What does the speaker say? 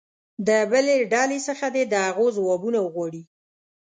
د بلې ډلې څخه دې د هغو ځوابونه وغواړي.